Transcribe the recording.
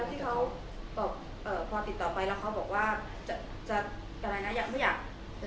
แล้วที่เขาตอบเออพอติดต่อไปแล้วเขาบอกว่าจะจะอะไรนะอยากไม่อยาก